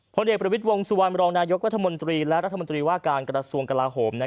เด็กประวิทย์วงสุวรรณรองนายกรัฐมนตรีและรัฐมนตรีว่าการกระทรวงกลาโหม